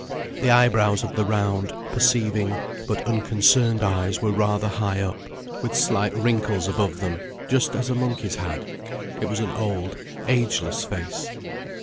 The eyebrows of the round, perceiving, but unconcerned eyes were rather high up, with slight wrinkles above them, just as a monkey's had. It was an old, ageless face.